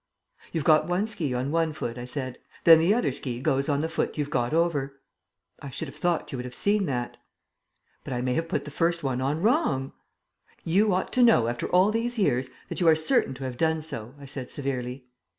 "You've got one ski on one foot," I said. "Then the other ski goes on the foot you've got over. I should have thought you would have seen that." "But I may have put the first one on wrong." "You ought to know, after all these years, that you are certain to have done so," I said severely.